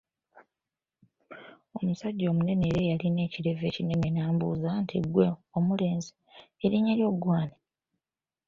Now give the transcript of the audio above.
Omusajja omunene era eyalina ekirevu ekinene n'ambuuza nti, ggwe omulenzi, erinnya lyo ggwe ani?